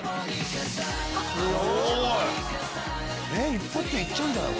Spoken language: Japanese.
一発でいっちゃうんじゃない？